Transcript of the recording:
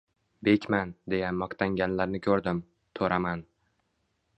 “Bekman”, deya maqtanganlarni ko’rdim, “to’raman”